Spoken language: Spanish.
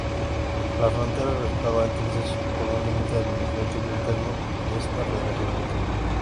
La frontera resultaba entonces en un límite administrativo interno de esta federación.